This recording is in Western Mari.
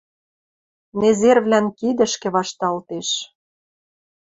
Незервлӓн кидӹшкӹ вашталтеш.